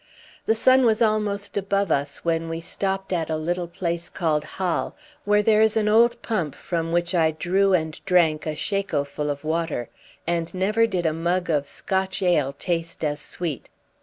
The sun was almost above us when we stopped at a little place called Hal, where there is an old pump from which I drew and drank a shako full of water and never did a mug of Scotch ale taste as sweet.